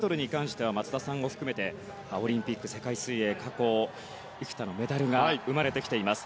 このバタフライは２００ｍに関しては松田さんを含めてオリンピック、世界水泳過去幾多のメダルが生まれてきています。